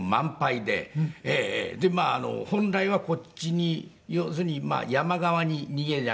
で本来はこっちに要するに山側に逃げりゃ。